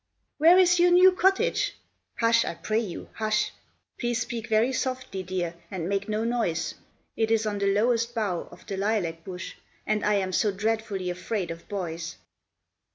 "Where is your new cottage?" "Hush! I pray you, hush". Please speak very softly, dear, and make no noise. It is on the lowest bough of the lilac bush. And I am so dreadfully afraid of boys.